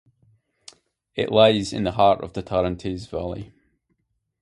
It lies in the heart of the Tarentaise valley.